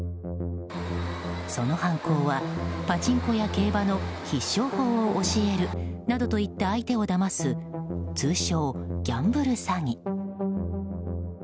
その犯行は、パチンコや競馬の必勝法を教えるなどと言って相手をだます通称ギャンブル詐欺。